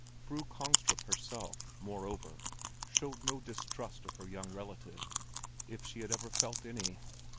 Fru Kongstrup herself, moreover, showed no distrust of her young relative—if she had ever felt any.